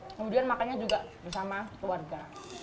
kemudian makannya juga bersama keluarga